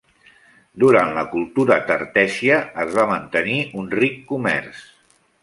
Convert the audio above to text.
Durant la cultura tartèssia es va mantenir un ric comerç.